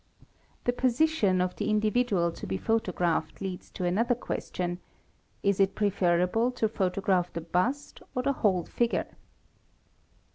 The position of the individual to be photographed leads to another question ; Is it preferable to photograph the bust or the whole | figure?